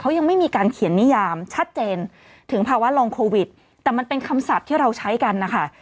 ยังไม่มีการเขียนนิยามชัดเจนถึงภาวะลองโควิดแต่มันเป็นคำศัพท์ที่เราใช้กันนะคะ